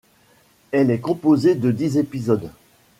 Elle est composée de dix épisodes.